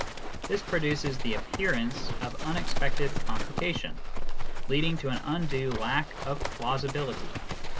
This produces the appearance of unexpected complication, leading to an undue lack of plausi bility.